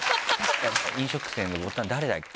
飲食店のボタン誰だっけ？